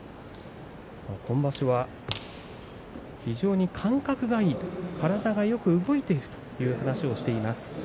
今場所は非常に感覚がいい体がよく動いているという話をしています。